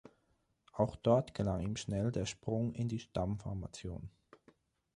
Auch dort gelang ihm schnell der Sprung in die Stammformation.